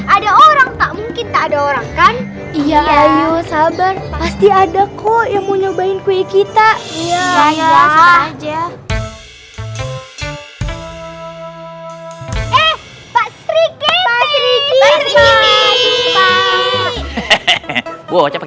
ada orang tak mungkin tak ada orang kan iya ayo sabar pasti ada kok yang mau nyobain kue kita ya